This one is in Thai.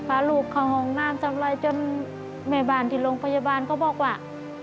อาการที่โรงพยาบาลก็บอกว่า